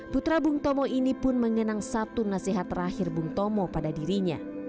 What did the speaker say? putra bung tomo ini pun mengenang satu nasihat terakhir bung tomo pada dirinya